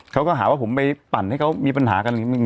เขาก็หาว่าผมไปปั่นให้เขามีปัญหากันนิดนึง